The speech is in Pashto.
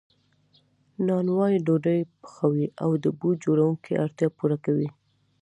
نانوای ډوډۍ پخوي او د بوټ جوړونکي اړتیا پوره کوي